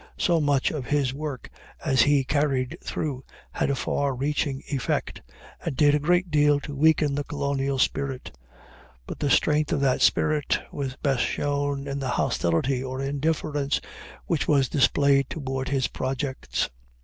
So much of his work as he carried through had a far reaching effect, and did a great deal to weaken the colonial spirit. But the strength of that spirit was best shown in the hostility or indifference which was displayed toward his projects.